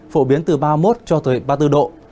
phổ biến từ ba mươi một cho tới ba mươi bốn độ